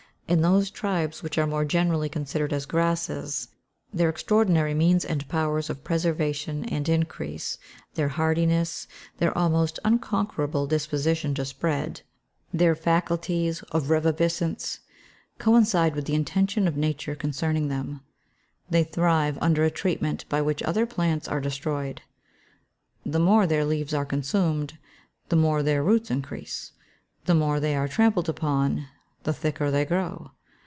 In those tribes which are more generally considered as grasses, their extraordinary means and powers of preservation and increase, their hardiness, their almost unconquerable disposition to spread, their faculties of reviviscence, coincide with the intention of nature concerning them. They thrive under a treatment by which other plants are destroyed. The more their leaves are consumed, the more their roots increase. The more they are trampled upon, the thicker they grow.